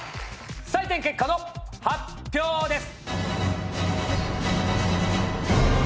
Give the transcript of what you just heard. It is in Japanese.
採点結果の発表です！